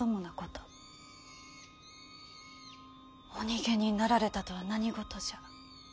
お逃げになられたとは何事じゃ。